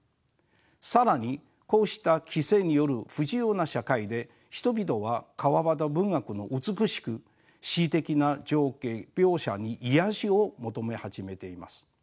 更にこうした規制による不自由な社会で人々は川端文学の美しく詩的な情景描写に癒やしを求め始めています。